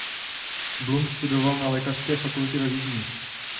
Blum studoval na lékařské fakultě ve Vídni.